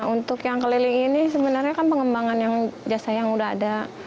untuk yang keliling ini sebenarnya kan pengembangan jasa yang udah ada